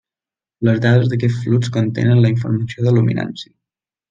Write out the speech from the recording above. Les dades d'aquest flux contenen la informació de luminància.